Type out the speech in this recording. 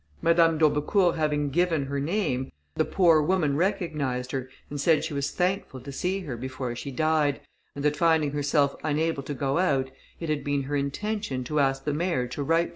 Madame d'Aubecourt having given her name, the poor woman recognised her, and said she was thankful to see her before she died, and that finding herself unable to go out, it had been her intention to ask the mayor to write to M.